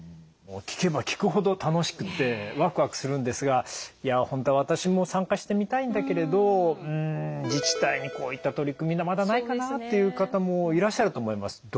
もう聞けば聞くほど楽しくてわくわくするんですが「いや本当は私も参加してみたいんだけれどん自治体にこういった取り組みがまだないかな」っていう方もいらっしゃると思います。